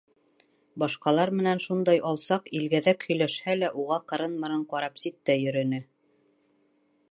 Башҡалар менән шундай алсаҡ, илгәҙәк һөйләшһә лә, уға ҡырын-мырын ҡарап ситтә йөрөнө.